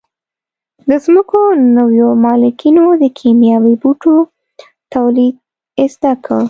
د ځمکو نویو مالکینو د کیمیاوي بوټو تولید زده کړ.